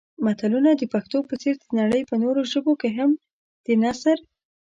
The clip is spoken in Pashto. متلونه د پښتو په څېر د نړۍ په نورو ژبو کې هم د نثر